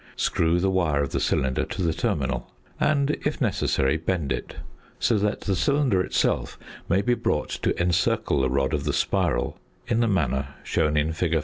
Screw the wire of the cylinder to the terminal, and, if necessary, bend it so that the cylinder itself may be brought to encircle the rod of the spiral in the manner shown in fig.